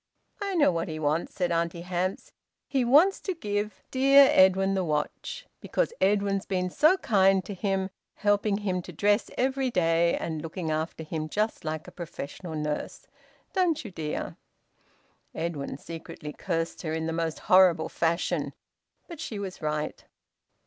"I know what he wants," said Auntie Hamps. "He wants to give dear Edwin the watch, because Edwin's been so kind to him, helping him to dress every day, and looking after him just like a professional nurse don't you, dear?" Edwin secretly cursed her in the most horrible fashion. But she was right.